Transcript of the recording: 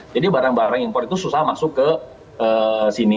jadi barang barang impor itu susah masuk ke sini